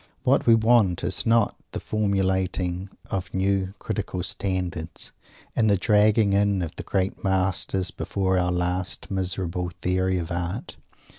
What we want is not the formulating of new Critical Standards, and the dragging in of the great masters before our last miserable Theory of Art.